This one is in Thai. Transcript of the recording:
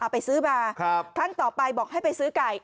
ไปซื้อมาครั้งต่อไปบอกให้ไปซื้อไก่